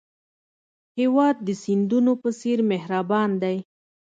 هېواد د سیندونو په څېر مهربان دی.